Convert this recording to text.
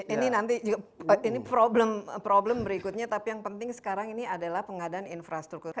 ini nanti juga ini problem berikutnya tapi yang penting sekarang ini adalah pengadaan infrastruktur